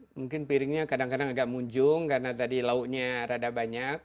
mungkin piringnya kadang kadang agak munjung karena tadi lauknya rada banyak